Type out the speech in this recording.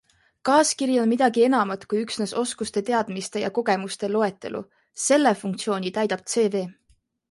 Kaaskiri on midagi enamat kui üksnes oskuste, teadmiste ja kogemuste loetelu - selle funktsiooni täidab CV.